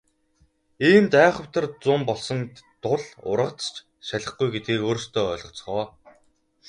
Иймд айхавтар зун болсон тул ургац ч шалихгүй гэдгийг өөрсдөө ойлгоцгоо.